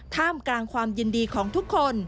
ท่ามกลางความยินดีของทุกคน